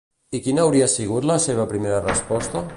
I quina hauria sigut la seva primera resposta?